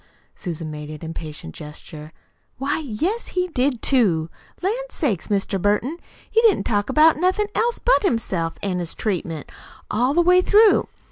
Susan made an impatient gesture. "Why, yes, he did, too! Lan' sakes, Mr. Burton, he didn't talk about nothin' else but himself an' his treatment, all the way through.